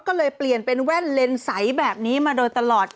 ก็เลยเปลี่ยนเป็นแว่นเลนใสแบบนี้มาโดยตลอด